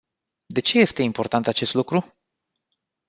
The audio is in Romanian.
De ce este important acest lucru?